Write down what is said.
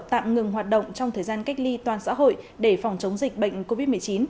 tạm ngừng hoạt động trong thời gian cách ly toàn xã hội để phòng chống dịch bệnh covid một mươi chín